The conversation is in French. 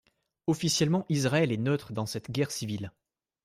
Officiellement Israël est neutre dans cette guerre civile.